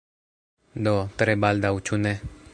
Do, tre baldaŭ ĉu ne?